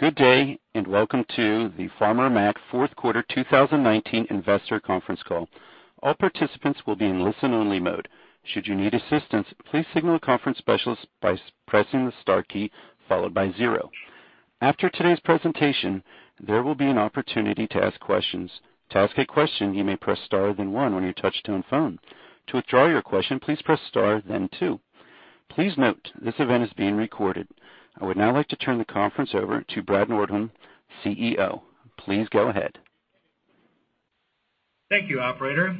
Good day, and welcome to the Farmer Mac fourth quarter 2019 investor conference call. All participants will be in listen-only mode. Should you need assistance, please signal a conference specialist by pressing the star key followed by zero. After today's presentation, there will be an opportunity to ask questions. To ask a question, you may press star then one on your touch-tone phone. To withdraw your question, please press star, then two. Please note, this event is being recorded. I would now like to turn the conference over to Brad Nordholm, Chief Executive Officer. Please go ahead. Thank you, operator,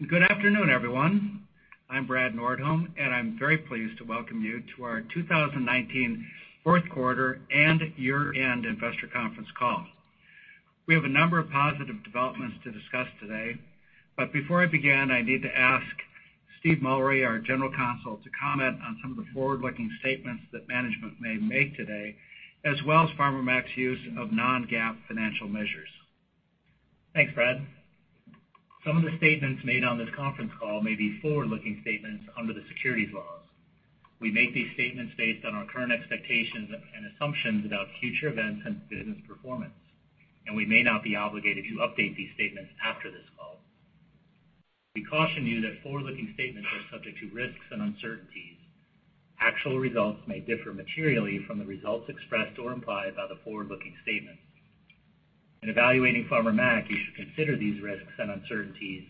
and good afternoon everyone? I'm Brad Nordholm, and I'm very pleased to welcome you to our 2019 fourth quarter and year-end investor conference call. We have a number of positive developments to discuss today. Before I begin, I need to ask Steve Mullery, our General Counsel, to comment on some of the forward-looking statements that management may make today, as well as Farmer Mac's use of non-GAAP financial measures. Thanks, Brad. Some of the statements made on this conference call may be forward-looking statements under the securities laws. We make these statements based on our current expectations and assumptions about future events and business performance, and we may not be obligated to update these statements after this call. We caution you that forward-looking statements are subject to risks and uncertainties. Actual results may differ materially from the results expressed or implied by the forward-looking statements. In evaluating Farmer Mac, you should consider these risks and uncertainties,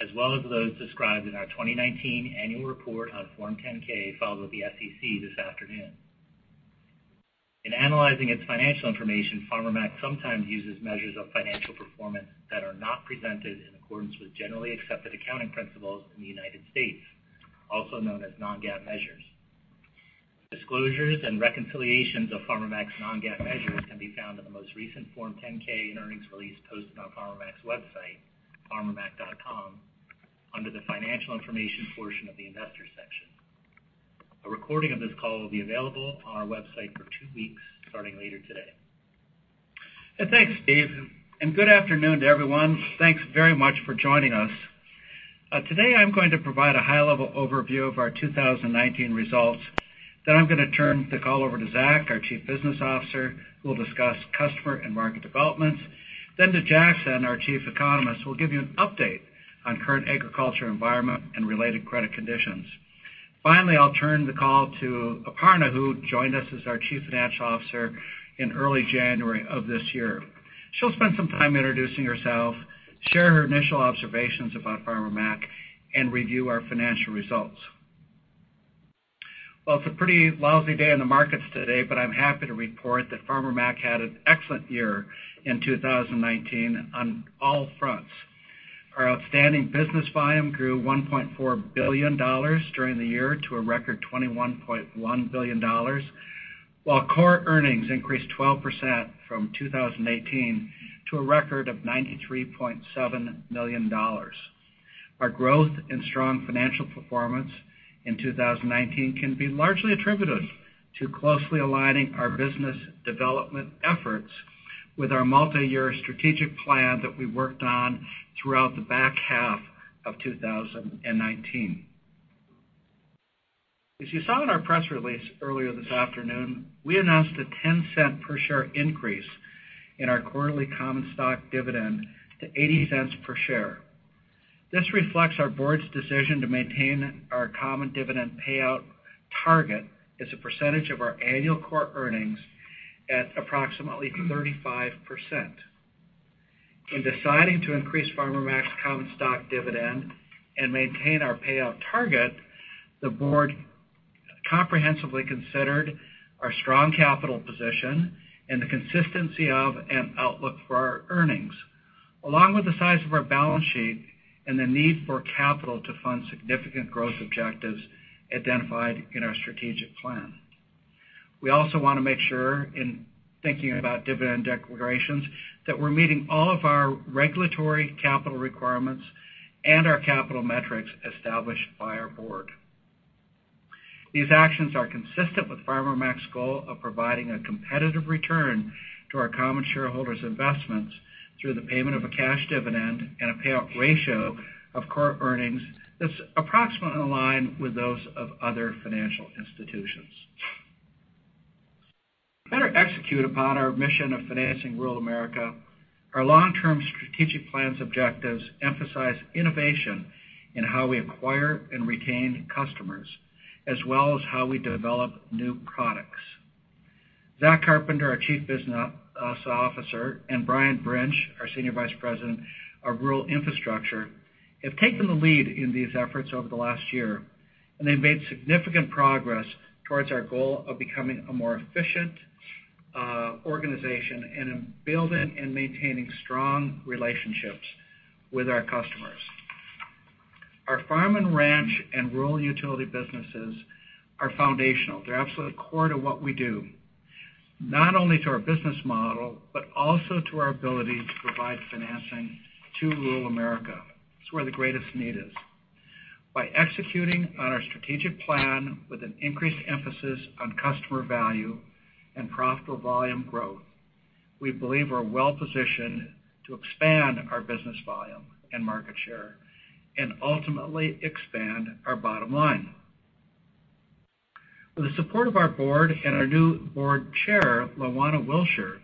as well as those described in our 2019 annual report on Form 10-K filed with the SEC this afternoon. In analyzing its financial information, Farmer Mac sometimes uses measures of financial performance that are not presented in accordance with generally accepted accounting principles in the United States, also known as non-GAAP measures. Disclosures and reconciliations of Farmer Mac's non-GAAP measures can be found in the most recent Form 10-K and earnings release posted on Farmer Mac's website, farmermac.com, under the financial information portion of the investor section. A recording of this call will be available on our website for two weeks, starting later today. Thanks, Steve. Good afternoon to everyone? Thanks very much for joining us. Today, I'm going to provide a high-level overview of our 2019 results. I'm going to turn the call over to Zack, our Chief Business Officer, who will discuss customer and market developments. To Jackson, our Chief Economist, who will give you an update on current agriculture environment and related credit conditions. Finally, I'll turn the call to Aparna, who joined us as our Chief Financial Officer in early January of this year. She'll spend some time introducing herself, share her initial observations about Farmer Mac, and review our financial results. Well, it's a pretty lousy day in the markets today, but I'm happy to report that Farmer Mac had an excellent year in 2019 on all fronts. Our outstanding business volume grew $1.4 billion during the year to a record $21.1 billion, while core earnings increased 12% from 2018 to a record of $93.7 million. Our growth and strong financial performance in 2019 can be largely attributed to closely aligning our business development efforts with our multi-year strategic plan that we worked on throughout the back half of 2019. As you saw in our press release earlier this afternoon, we announced a $0.10 per share increase in our quarterly common stock dividend to $0.80 per share. This reflects our board's decision to maintain our common dividend payout target as a percentage of our annual core earnings at approximately 35%. In deciding to increase Farmer Mac's common stock dividend and maintain our payout target, the Board comprehensively considered our strong capital position and the consistency of an outlook for our earnings, along with the size of our balance sheet and the need for capital to fund significant growth objectives identified in our strategic plan. We also want to make sure, in thinking about dividend declarations, that we're meeting all of our regulatory capital requirements and our capital metrics established by our board. These actions are consistent with Farmer Mac's goal of providing a competitive return to our common shareholders' investments through the payment of a cash dividend and a payout ratio of core earnings that's approximately in line with those of other financial institutions. To better execute upon our mission of financing rural America, our long-term strategic plan's objectives emphasize innovation in how we acquire and retain customers, as well as how we develop new products. Zack Carpenter, our Chief Business Officer, and Brian Brinch, our Senior Vice President of Rural Infrastructure, have taken the lead in these efforts over the last year, and they've made significant progress towards our goal of becoming a more efficient organization and in building and maintaining strong relationships with our customers. Our farm and ranch and rural utility businesses are foundational. They're absolutely core to what we do, not only to our business model, but also to our ability to provide financing to rural America. It's where the greatest need is. By executing on our strategic plan with an increased emphasis on customer value and profitable volume growth, we believe are well positioned to expand our business volume and market share, and ultimately expand our bottom line. With the support of our Board and our new Board Chair, LaJuana Wilcher,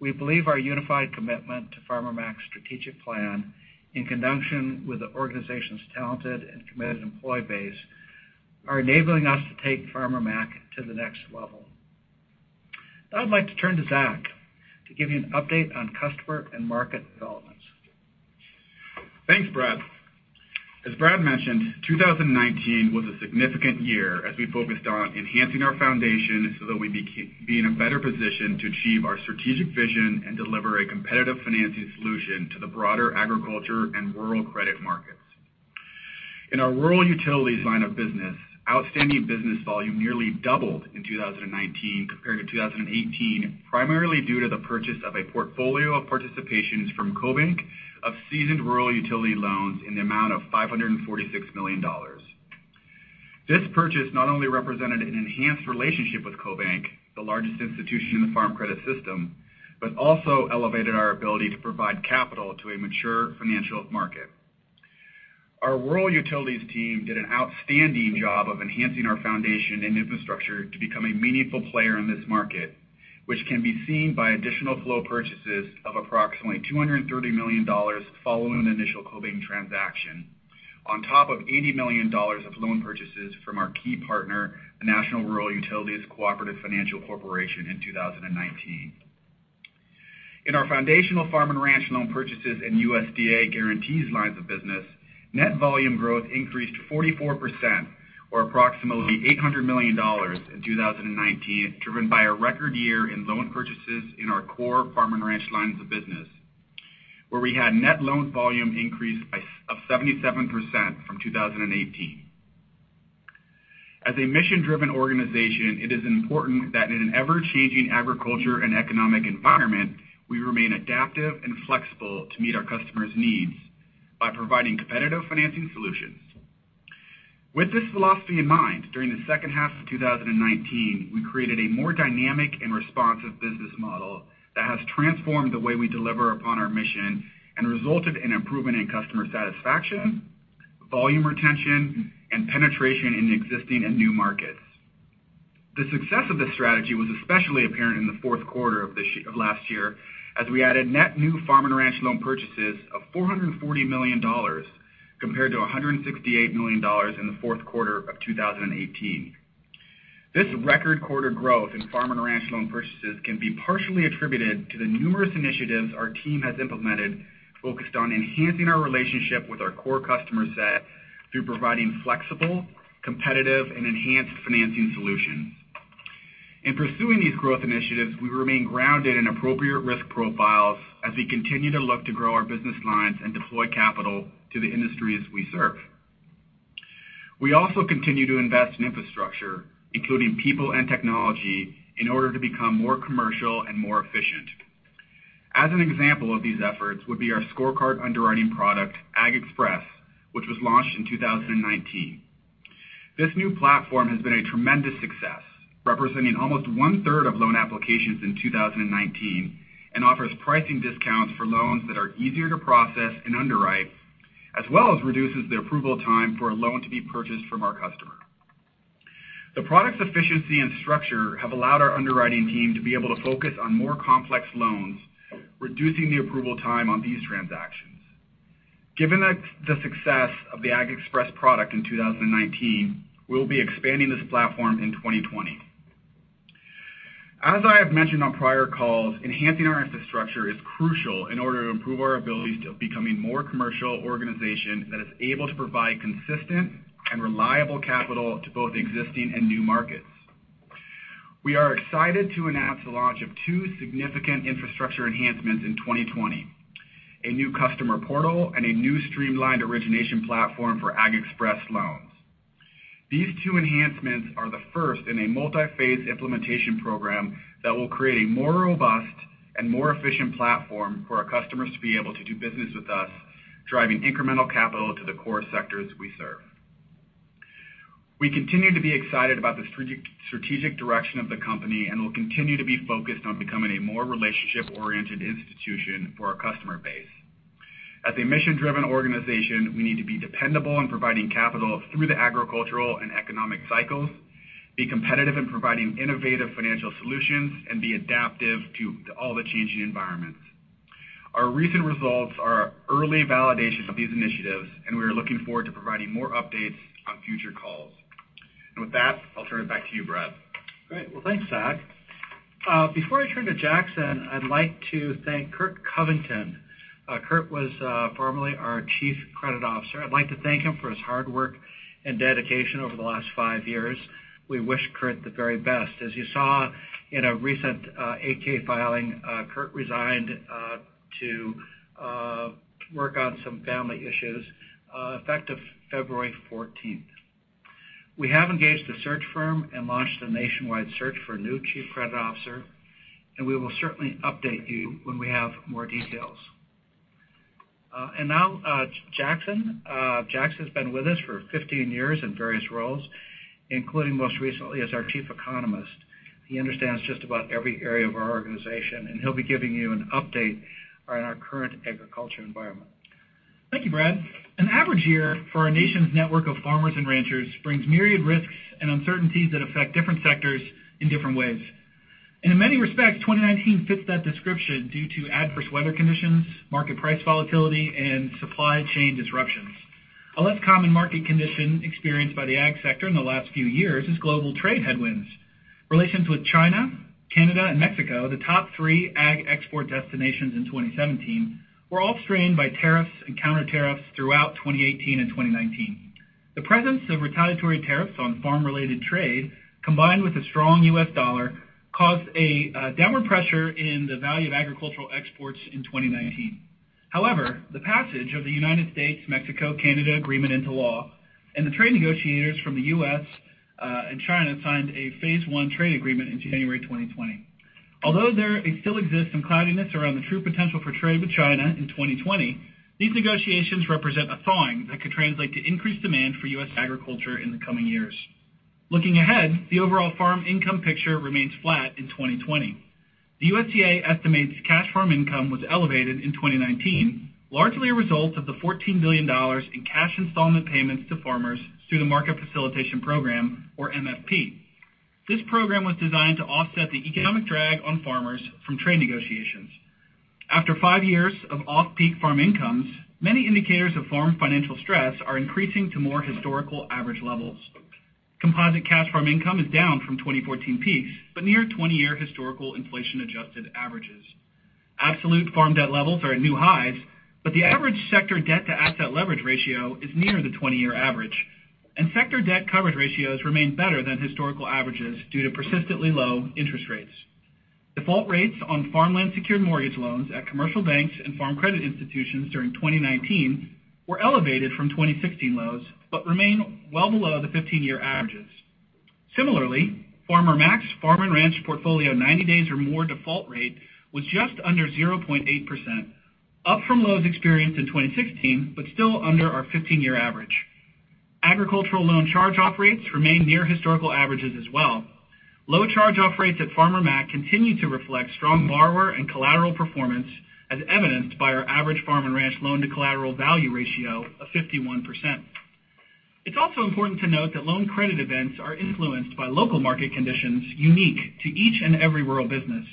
we believe our unified commitment to Farmer Mac's strategic plan, in conjunction with the organization's talented and committed employee base, are enabling us to take Farmer Mac to the next level. Now I'd like to turn to Zack to give you an update on customer and market developments. Thanks, Brad. As Brad mentioned, 2019 was a significant year as we focused on enhancing our foundation so that we'd be in a better position to achieve our strategic vision and deliver a competitive financing solution to the broader agriculture and rural credit markets. In our rural utilities line of business, outstanding business volume nearly doubled in 2019 compared to 2018, primarily due to the purchase of a portfolio of participations from CoBank of seasoned rural utility loans in the amount of $546 million. This purchase not only represented an enhanced relationship with CoBank, the largest institution in the Farm Credit System, but also elevated our ability to provide capital to a mature financial market. Our Rural Infrastructure team did an outstanding job of enhancing our foundation and infrastructure to become a meaningful player in this market, which can be seen by additional flow purchases of approximately $230 million following the initial CoBank transaction, on top of $80 million of loan purchases from our key partner, the National Rural Utilities Cooperative Finance Corporation, in 2019. In our foundational farm and ranch loan purchases and USDA guarantees lines of business, net volume growth increased 44%, or approximately $800 million in 2019, driven by a record year in loan purchases in our core farm and ranch lines of business, where we had net loans volume increase of 77% from 2018. As a mission-driven organization, it is important that in an ever-changing agriculture and economic environment, we remain adaptive and flexible to meet our customers' needs by providing competitive financing solutions. With this philosophy in mind, during the second half of 2019, we created a more dynamic and responsive business model that has transformed the way we deliver upon our mission and resulted in improvement in customer satisfaction, volume retention, and penetration in existing and new markets. The success of this strategy was especially apparent in the fourth quarter of last year as we added net new farm and ranch loan purchases of $440 million compared to $168 million in the fourth quarter of 2018. This record quarter growth in farm and ranch loan purchases can be partially attributed to the numerous initiatives our team has implemented focused on enhancing our relationship with our core customer set through providing flexible, competitive, and enhanced financing solutions. In pursuing these growth initiatives, we remain grounded in appropriate risk profiles as we continue to look to grow our business lines and deploy capital to the industries we serve. We also continue to invest in infrastructure, including people and technology, in order to become more commercial and more efficient. As an example of these efforts would be our scorecard underwriting product, AgXpress, which was launched in 2019. This new platform has been a tremendous success, representing almost one-third of loan applications in 2019, and offers pricing discounts for loans that are easier to process and underwrite, as well as reduces the approval time for a loan to be purchased from our customer. The product's efficiency and structure have allowed our underwriting team to be able to focus on more complex loans, reducing the approval time on these transactions. Given the success of the AgXpress product in 2019, we'll be expanding this platform in 2020. As I have mentioned on prior calls, enhancing our infrastructure is crucial in order to improve our ability to becoming more commercial organization that is able to provide consistent and reliable capital to both existing and new markets. We are excited to announce the launch of two significant infrastructure enhancements in 2020, a new customer portal and a new streamlined origination platform for AgXpress loans. These two enhancements are the first in a multi-phase implementation program that will create a more robust and more efficient platform for our customers to be able to do business with us, driving incremental capital to the core sectors we serve. We continue to be excited about the strategic direction of the company and will continue to be focused on becoming a more relationship-oriented institution for our customer base. As a mission-driven organization, we need to be dependable in providing capital through the agricultural and economic cycles, be competitive in providing innovative financial solutions, and be adaptive to all the changing environments. Our recent results are early validation of these initiatives, and we are looking forward to providing more updates on future calls. With that, I'll turn it back to you, Brad. Great. Well, thanks, Zack. Before I turn to Jackson, I'd like to thank Curt Covington. Curt was formerly our Chief Credit Officer. I'd like to thank him for his hard work and dedication over the last five years. We wish Curt the very best. As you saw in a recent 8-K filing, Curt resigned to work on some family issues, effective February 14. We have engaged a search firm and launched a nationwide search for a new Chief Credit Officer, and we will certainly update you when we have more details. Now Jackson. Jackson has been with us for 15 years in various roles, including most recently as our Chief Economist. He understands just about every area of our organization, and he'll be giving you an update on our current agriculture environment. Thank you, Brad. An average year for our nation's network of farmers and ranchers brings myriad risks and uncertainties that affect different sectors in different ways. In many respects, 2019 fits that description due to adverse weather conditions, market price volatility, and supply chain disruptions. A less common market condition experienced by the Ag sector in the last few years is global trade headwinds. Relations with China, Canada, and Mexico, the top three Ag export destinations in 2017, were all strained by tariffs and counter-tariffs throughout 2018 and 2019. The presence of retaliatory tariffs on farm-related trade, combined with a strong U.S. dollar, caused a downward pressure in the value of agricultural exports in 2019. The passage of the United States-Mexico-Canada Agreement into law and the trade negotiators from the U.S. and China signed a phase one trade agreement in January 2020. Although there still exists some cloudiness around the true potential for trade with China in 2020, these negotiations represent a thawing that could translate to increased demand for U.S. agriculture in the coming years. Looking ahead, the overall farm income picture remains flat in 2020. The USDA estimates cash farm income was elevated in 2019, largely a result of the $14 billion in cash installment payments to farmers through the Market Facilitation Program, or MFP. This program was designed to offset the economic drag on farmers from trade negotiations. After five years of off-peak farm income, many indicators of farm financial stress are increasing to more historical average levels. Composite cash farm income is down from 2014 peaks, but near 20-year historical inflation-adjusted averages. Absolute farm debt levels are at new highs, but the average sector debt-to-asset leverage ratio is near the 20-year average, and sector debt coverage ratios remain better than historical averages due to persistently low interest rates. Default rates on farmland-secured mortgage loans at commercial banks and Farm Credit System during 2019 were elevated from 2016 lows, but remain well below the 15-year averages. Similarly, Farmer Mac's farm and ranch portfolio 90 days or more default rate was just under 0.8%, up from lows experienced in 2016, but still under our 15-year average. Agricultural loan charge-off rates remain near historical averages as well. Low charge-off rates at Farmer Mac continue to reflect strong borrower and collateral performance, as evidenced by our average farm and ranch loan-to-collateral value ratio of 51%. It's also important to note that loan credit events are influenced by local market conditions unique to each and every rural business.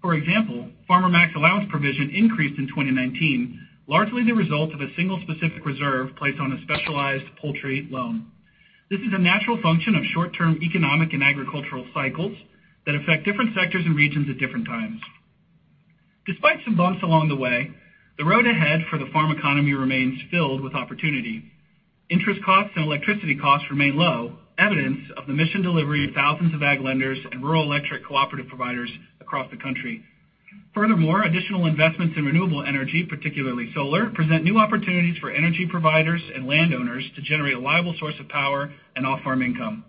For example, Farmer Mac's allowance provision increased in 2019, largely the result of a single specific reserve placed on a specialized poultry loan. This is a natural function of short-term economic and agricultural cycles that affect different sectors and regions at different times. Despite some bumps along the way, the road ahead for the farm economy remains filled with opportunity. Interest costs and electricity costs remain low, evidence of the mission delivery of thousands of Ag lenders and rural electric cooperative providers across the country. Furthermore, additional investments in renewable energy, particularly solar, present new opportunities for energy providers and landowners to generate a reliable source of power and off-farm income.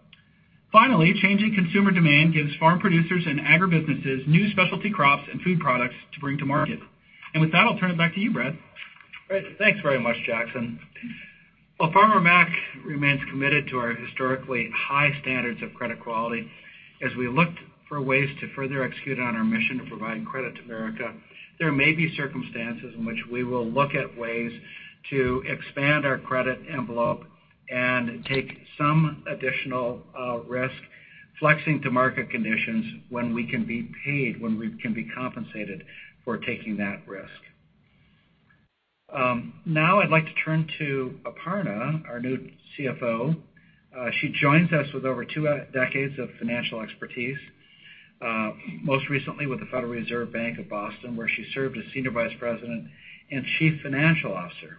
Changing consumer demand gives farm producers and agribusinesses new specialty crops and food products to bring to market. With that, I'll turn it back to you, Brad. Great. Thanks very much, Jackson. While Farmer Mac remains committed to our historically high standards of credit quality, as we look for ways to further execute on our mission of providing credit to America, there may be circumstances in which we will look at ways to expand our credit envelope and take some additional risk, flexing to market conditions when we can be paid, when we can be compensated for taking that risk. I'd like to turn to Aparna, our new Chief Financial Officer. She joins us with over two decades of financial expertise, most recently with the Federal Reserve Bank of Boston, where she served as Senior Vice President and Chief Financial Officer.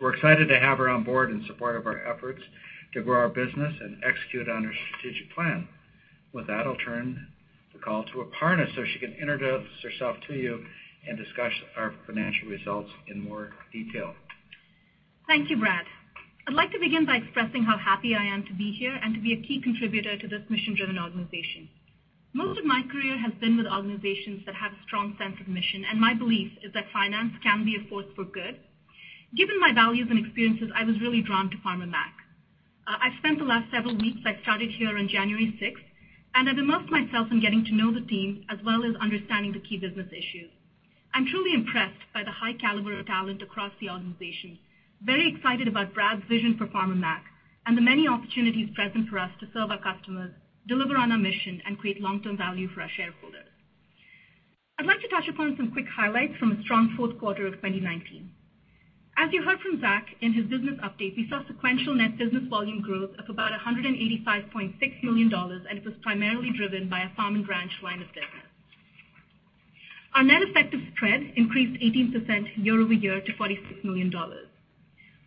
We're excited to have her on board in support of our efforts to grow our business and execute on our strategic plan. With that, I'll turn the call to Aparna so she can introduce herself to you and discuss our financial results in more detail. Thank you, Brad. I'd like to begin by expressing how happy I am to be here and to be a key contributor to this mission-driven organization. Most of my career has been with organizations that have a strong sense of mission, and my belief is that finance can be a force for good. Given my values and experiences, I was really drawn to Farmer Mac. I've spent the last several weeks, I started here on January 6, and I've immersed myself in getting to know the team, as well as understanding the key business issues. I'm truly impressed by the high caliber of talent across the organization, very excited about Brad's vision for Farmer Mac, and the many opportunities present for us to serve our customers, deliver on our mission, and create long-term value for our shareholders. I'd like to touch upon some quick highlights from a strong fourth quarter of 2019. As you heard from Zack in his business update, we saw sequential net business volume growth of about $185.6 million, and it was primarily driven by our farm and ranch line of business. Our net effective spread increased 18% year-over-year to $46 million.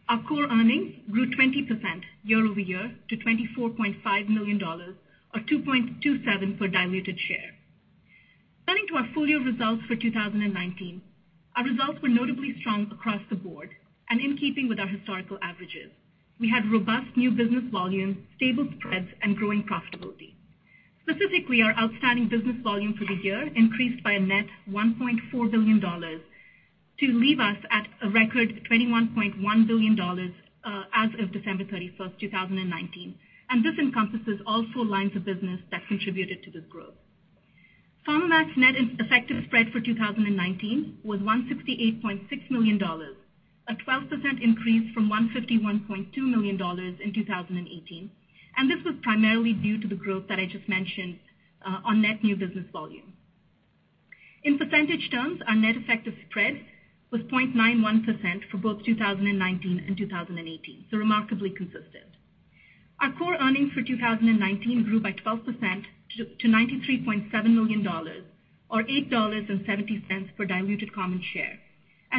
Our core earnings grew 20% year-over-year to $24.5 million, or $2.27 per diluted share. Turning to our full-year results for 2019, our results were notably strong across the board. In keeping with our historical averages, we had robust new business volumes, stable spreads, and growing profitability. Specifically, our outstanding business volume for the year increased by a net $1.4 billion to leave us at a record $21.1 billion as of December 31, 2019. This encompasses also lines of business that contributed to this growth. Farmer Mac's net effective spread for 2019 was $168.6 million, a 12% increase from $151.2 million in 2018. This was primarily due to the growth that I just mentioned on net new business volume. In percentage terms, our net effective spread was 0.91% for both 2019 and 2018, remarkably consistent. Our core earnings for 2019 grew by 12% to $93.7 million or $8.70 per diluted common share.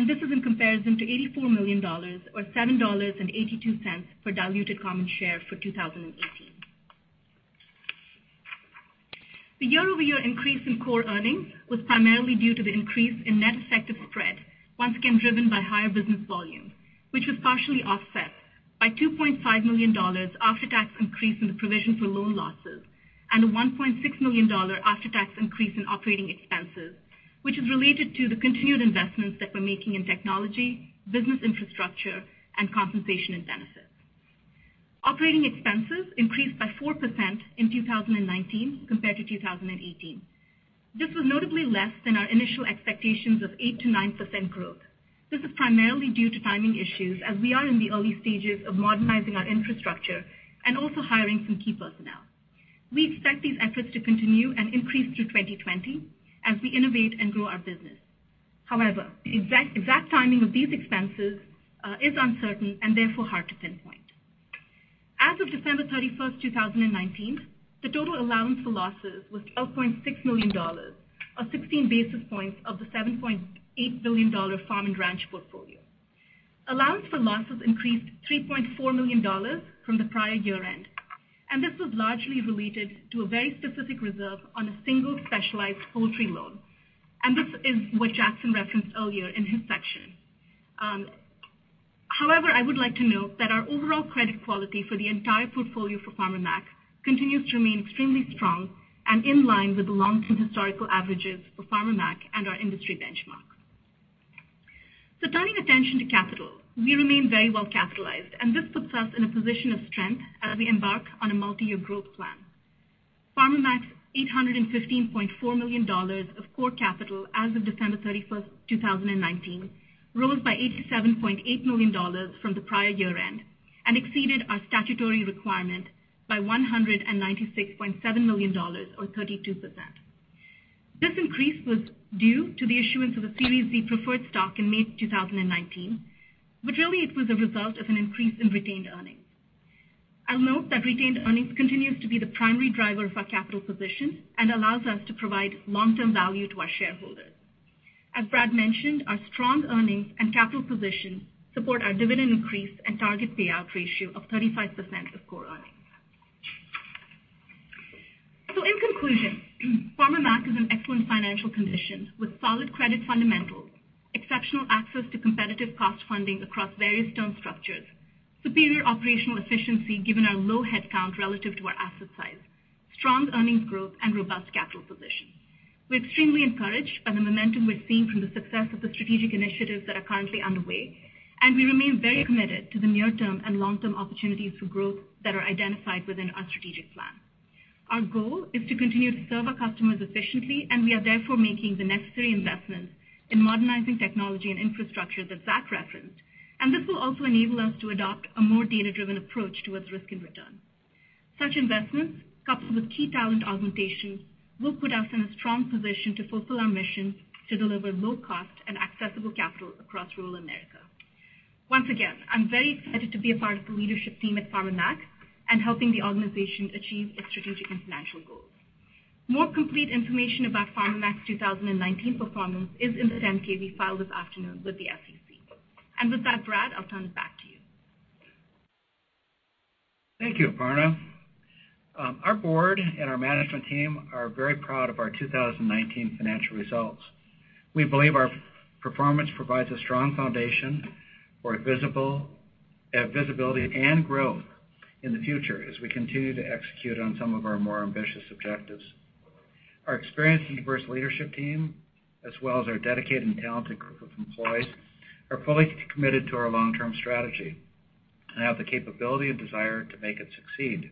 This is in comparison to $84 million or $7.82 per diluted common share for 2018. The year-over-year increase in core earnings was primarily due to the increase in net effective spread, once again driven by higher business volume, which was partially offset by $2.5 million after-tax increase in the provision for loan losses and a $1.6 million after-tax increase in operating expenses, which is related to the continued investments that we're making in technology, business infrastructure, and compensation and benefits. Operating expenses increased by 4% in 2019 compared to 2018. This was notably less than our initial expectations of 8%-9% growth. This is primarily due to timing issues as we are in the early stages of modernizing our infrastructure and also hiring some key personnel. We expect these efforts to continue and increase through 2020 as we innovate and grow our business. However, the exact timing of these expenses is uncertain and therefore hard to pinpoint. As of December 31, 2019, the total allowance for losses was $0.6 million, or 16 basis points of the $7.8 billion farm and ranch portfolio. Allowance for losses increased $3.4 million from the prior year-end. This was largely related to a very specific reserve on a single specialized poultry loan. This is what Jackson referenced earlier in his section. I would like to note that our overall credit quality for the entire portfolio for Farmer Mac continues to remain extremely strong and in line with the long-term historical averages for Farmer Mac and our industry benchmark. Turning attention to capital, we remain very well capitalized, and this puts us in a position of strength as we embark on a multi-year growth plan. Farmer Mac's $815.4 million of core capital as of December 31, 2019, rose by $87.8 million from the prior year-end and exceeded our statutory requirement by $196.7 million or 32%. This increase was due to the issuance of a Series B Preferred Stock in May 2019, but really it was a result of an increase in retained earnings. I'll note that retained earnings continues to be the primary driver of our capital position and allows us to provide long-term value to our shareholders. As Brad mentioned, our strong earnings and capital position support our dividend increase and target payout ratio of 35% of core earnings. In conclusion, Farmer Mac is in excellent financial condition with solid credit fundamentals, exceptional access to competitive cost funding across various term structures, superior operational efficiency given our low headcount relative to our asset size, strong earnings growth, and robust capital position. We're extremely encouraged by the momentum we're seeing from the success of the strategic initiatives that are currently underway, and we remain very committed to the near-term and long-term opportunities for growth that are identified within our strategic plan. Our goal is to continue to serve our customers efficiently, and we are therefore making the necessary investments in modernizing technology and infrastructure that Zack referenced. This will also enable us to adopt a more data-driven approach towards risk and return. Such investments, coupled with key talent augmentation, will put us in a strong position to fulfill our mission to deliver low cost and accessible capital across rural America. Once again, I'm very excited to be a part of the leadership team at Farmer Mac and helping the organization achieve its strategic and financial goals. More complete information about Farmer Mac's 2019 performance is in the 10-K we filed this afternoon with the SEC. With that, Brad, I'll turn it back to you. Thank you, Aparna. Our Board and our management team are very proud of our 2019 financial results. We believe our performance provides a strong foundation for visibility and growth in the future as we continue to execute on some of our more ambitious objectives. Our experienced and diverse leadership team, as well as our dedicated and talented group of employees, are fully committed to our long-term strategy and have the capability and desire to make it succeed.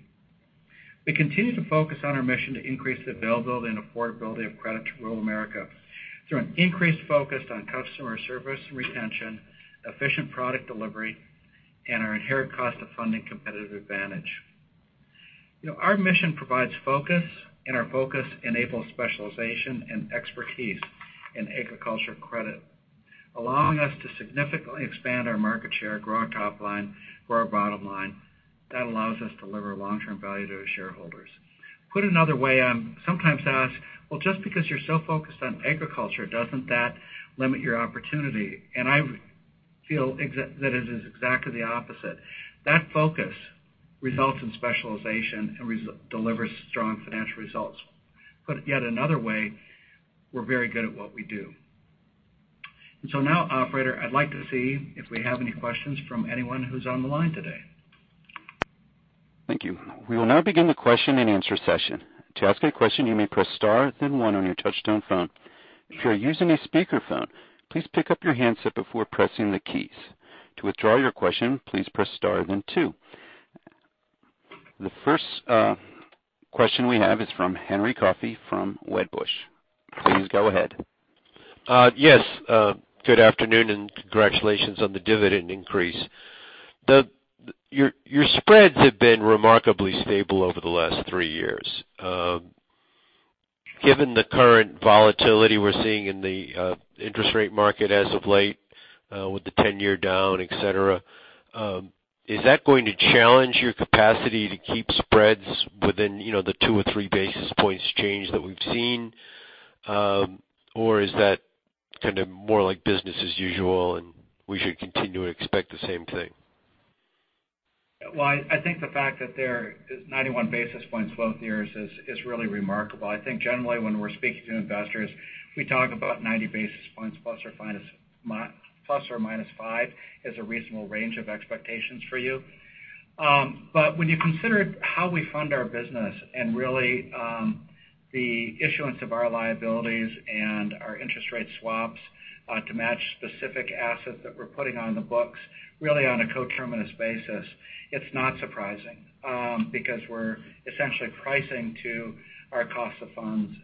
We continue to focus on our mission to increase the availability and affordability of credit to rural America through an increased focus on customer service and retention, efficient product delivery, and our inherent cost of funding competitive advantage. Our mission provides focus, and our focus enables specialization and expertise in agriculture credit, allowing us to significantly expand our market share, grow our top line, grow our bottom line. That allows us to deliver long-term value to our shareholders. Put another way, I'm sometimes asked, well, just because you're so focused on agriculture, doesn't that limit your opportunity? I feel that it is exactly the opposite. That focus results in specialization and delivers strong financial results. Put it yet another way, we're very good at what we do. Now operator, I'd like to see if we have any questions from anyone who's on the line today. Thank you. We will now begin the question-and-answer session. To ask a question, you may press star, then one on your touchtone phone. If you are using a speakerphone, please pick up your handset before pressing the keys. To withdraw your question, please press star then two. The first question we have is from Henry Coffey from Wedbush, please go ahead. Yes. Good afternoon, and congratulations on the dividend increase. Your spreads have been remarkably stable over the last three years. Given the current volatility we're seeing in the interest rate market as of late, with the 10-year down, et cetera, is that going to challenge your capacity to keep spreads within the two or three basis points change that we've seen? Is that kind of more like business as usual, and we should continue to expect the same thing? Well, I think the fact that there is 91 basis points both years is really remarkable. I think generally when we're speaking to investors, we talk about 90 basis points, ±5 basis points is a reasonable range of expectations for you. When you consider how we fund our business and really, the issuance of our liabilities and our interest rate swaps to match specific assets that we're putting on the books, really on a co-terminus basis, it's not surprising, because we're essentially pricing to our cost of funds.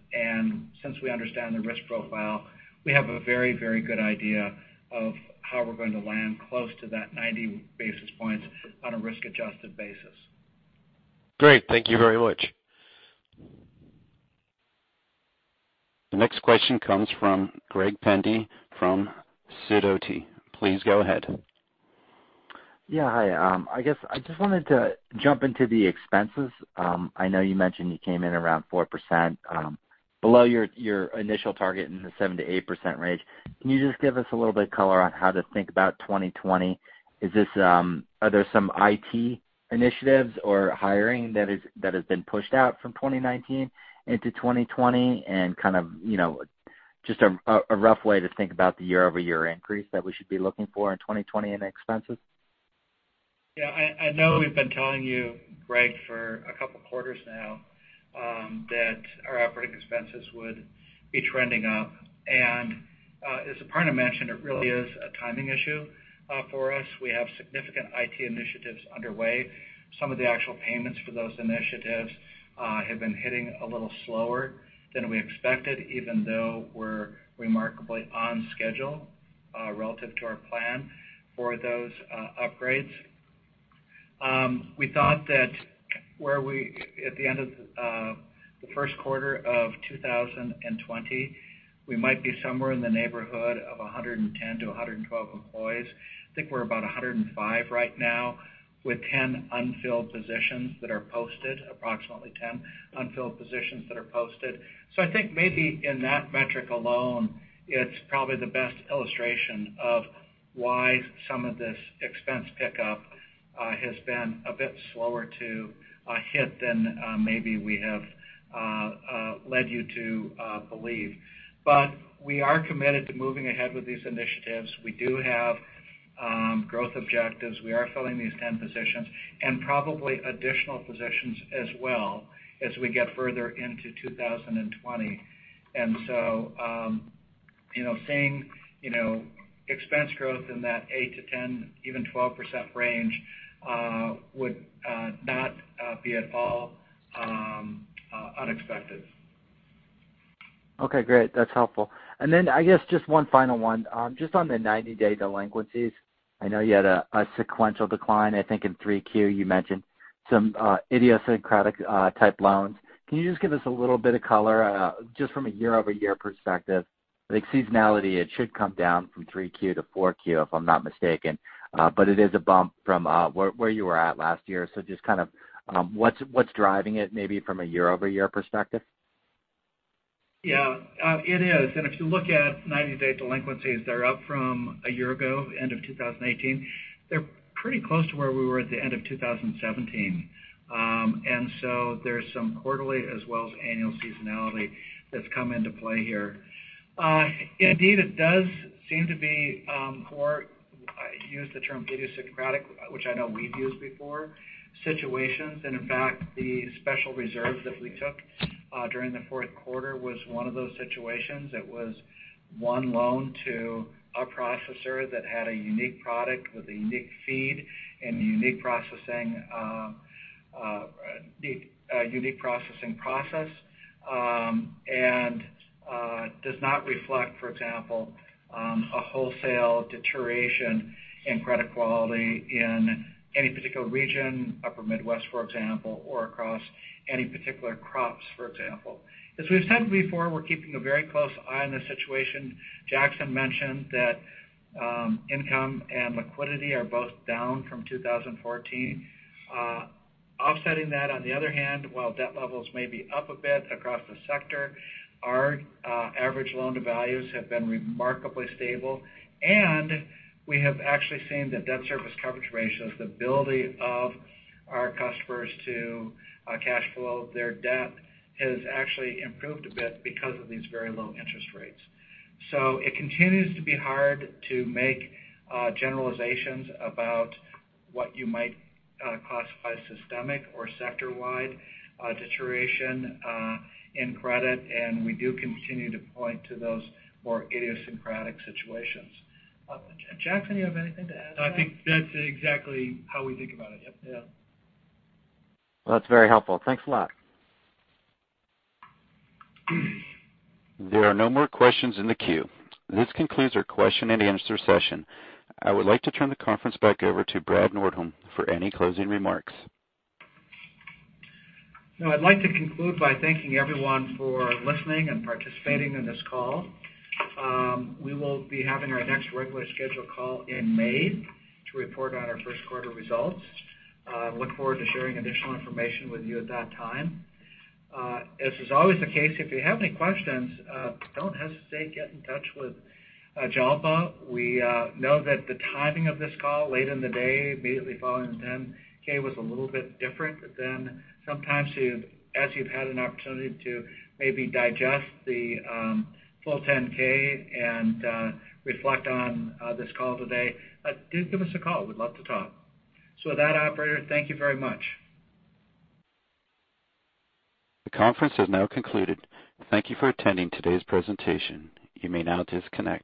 Since we understand the risk profile, we have a very good idea of how we're going to land close to that 90 basis points on a risk-adjusted basis. Great. Thank you very much. The next question comes from Greg Pendy from Sidoti, please go ahead. Yeah. Hi, I guess I just wanted to jump into the expenses. I know you mentioned you came in around 4% below your initial target in the 7%-8% range. Can you just give us a little bit of color on how to think about 2020? Are there some IT initiatives or hiring that has been pushed out from 2019 into 2020, and kind of just a rough way to think about the year-over-year increase that we should be looking for in 2020 in expenses? Yeah, I know we've been telling you, Greg, for a couple of quarters now that our operating expenses would be trending up. As Aparna mentioned, it really is a timing issue for us. We have significant IT initiatives underway. Some of the actual payments for those initiatives have been hitting a little slower than we expected, even though we're remarkably on schedule relative to our plan for those upgrades. We thought that at the end of the first quarter of 2020, we might be somewhere in the neighborhood of 110 employees-112 employees. I think we're about 105 right now, with 10 unfilled positions that are posted, approximately 10 unfilled positions that are posted. I think maybe in that metric alone, it's probably the best illustration of why some of this expense pickup has been a bit slower to hit than maybe we have led you to believe. We are committed to moving ahead with these initiatives. We do have growth objectives. We are filling these 10 positions and probably additional positions as well, as we get further into 2020. Seeing expense growth in that 8%-10%, even 12% range, would not be at all unexpected. Okay, great. That's helpful. I guess just one final one. Just on the 90-day delinquencies. I know you had a sequential decline. I think in 3Q you mentioned some idiosyncratic type loans. Can you just give us a little bit of color, just from a year-over-year perspective? I think seasonality, it should come down from 3Q to 4Q, if I'm not mistaken. It is a bump from where you were at last year. Just kind of what's driving it maybe from a year-over-year perspective? Yeah. It is, if you look at 90-day delinquencies, they're up from a year ago, end of 2018. They're pretty close to where we were at the end of 2017. There's some quarterly as well as annual seasonality that's come into play here. Indeed, it does seem to be more, I use the term idiosyncratic, which I know we've used before, situations. In fact, the special reserves that we took during the fourth quarter was one of those situations. It was one loan to a processor that had a unique product with a unique feed and a unique processing process, and does not reflect, for example, a wholesale deterioration in credit quality in any particular region, Upper Midwest, for example, or across any particular crops, for example. As we've said before, we're keeping a very close eye on the situation. Jackson mentioned that income and liquidity are both down from 2014. Offsetting that on the other hand, while debt levels may be up a bit across the sector, our average loan to values have been remarkably stable, and we have actually seen the debt service coverage ratios, the ability of our customers to cash flow their debt, has actually improved a bit because of these very low interest rates. It continues to be hard to make generalizations about what you might classify systemic or sector-wide deterioration in credit, and we do continue to point to those more idiosyncratic situations. Jackson, you have anything to add to that? No, I think that's exactly how we think about it. Yep. Yeah. Well, that's very helpful. Thanks a lot. There are no more questions in the queue. This concludes our question-and-answer session. I would like to turn the conference back over to Brad Nordholm for any closing remarks. No, I'd like to conclude by thanking everyone for listening and participating in this call. We will be having our next regularly scheduled call in May to report on our first quarter results. Look forward to sharing additional information with you at that time. As is always the case, if you have any questions, don't hesitate to get in touch with Jalpa. We know that the timing of this call, late in the day, immediately following the 10-K was a little bit different than sometimes as you've had an opportunity to maybe digest the full 10-K and reflect on this call today. Do give us a call. We'd love to talk. With that, Operator, thank you very much. The conference has now concluded. Thank you for attending today's presentation, you may now disconnect.